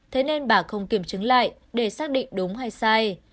thế nên bà không kiểm chứng lại để xác định đúng hay sai